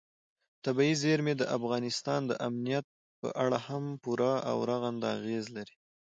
طبیعي زیرمې د افغانستان د امنیت په اړه هم پوره او رغنده اغېز لري.